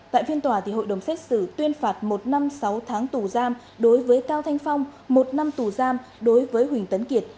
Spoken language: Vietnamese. tại phiên tòa hội đồng xét xử tuyên phạt một năm sáu tháng tù giam đối với cao thanh phong một năm tù giam đối với huỳnh tấn kiệt